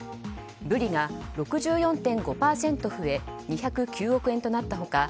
ブリが６４．５％増え２０９億円となった他